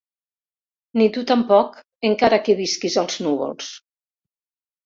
Ni tu tampoc, encara que visquis als núvols.